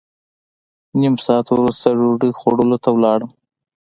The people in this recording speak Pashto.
نیم ساعت وروسته ډوډۍ خوړلو ته لاړم.